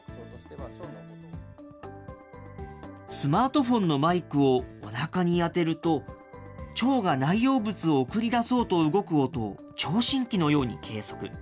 スマートフォンのマイクをおなかに当てると、腸が内容物を送り出そうと動く音を聴診器のように計測。